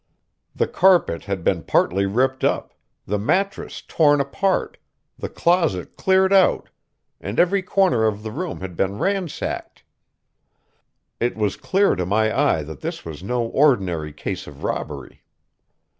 The carpet had been partly ripped up, the mattress torn apart, the closet cleared out, and every corner of the room had been ransacked. It was clear to my eye that this was no ordinary case of robbery.